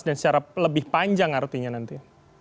dan secara lebih panjang artinya nanti